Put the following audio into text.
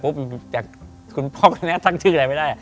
ปุ๊ปอยากคุณพ่อกน้องแม่สั่งชื่ออะไรไม่ได้